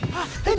hah itu mereka